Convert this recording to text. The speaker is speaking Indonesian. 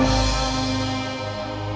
jika tidak ada kebenaran